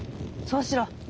そうしろ。